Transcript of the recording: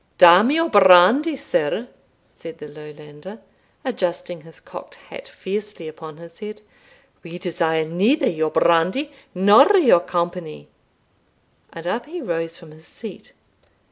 "Damn your brandy, sir!" said the Lowlander, adjusting his cocked hat fiercely upon his head; "we desire neither your brandy nor your company," and up he rose from his seat.